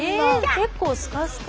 結構スカスカ。